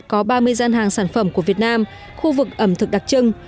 có ba mươi gian hàng sản phẩm của việt nam khu vực ẩm thực đặc trưng